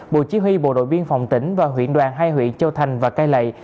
bộ chí huy bộ đội biên phòng tỉnh và huyện đoàn hai huyện châu thành và cai lậy